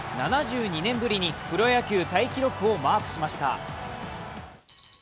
７２年ぶりにプロ野球タイ記録をマークしました。